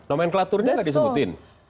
nomenklaturnya nggak disebutin